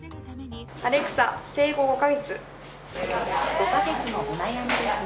アレクサ生後５カ月。